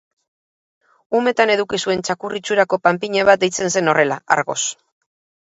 Umetan eduki zuen txakur itxurako panpina bat deitzen zen horrela, Argos.